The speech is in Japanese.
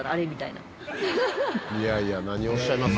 いやいや何をおっしゃいます。